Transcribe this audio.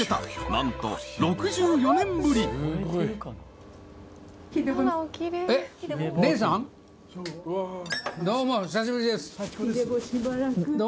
［何と６４年ぶり］どうも。